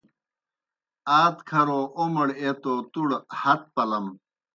آدکھروْ اومڑ ایہ تَوْ تُوْڑ ہت پلَم۔